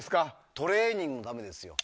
トレーニングのためですよ。